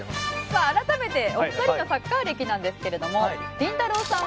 さあ改めてお二人のサッカー歴なんですけれどもりんたろー。